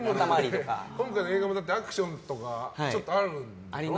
今回の映画もアクションとかちょっとあるんでしょ。